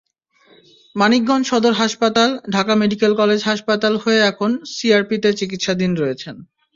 মানিকগঞ্জ সদর হাসপাতাল, Dhaka medical college হাসপাতাল হয়ে এখন সিআরপিতে চিকিৎসাধীন রয়েছেন।